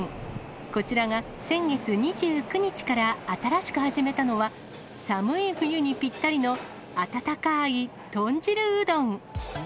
こちらが先月２９日から新しく始めたのは、寒い冬にぴったりの温かい豚汁うどん。